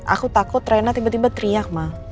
aku takut rena tiba tiba teriak ma